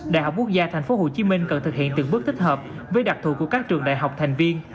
đại học quốc gia tp hcm cần thực hiện từng bước thích hợp với đặc thù của các trường đại học thành viên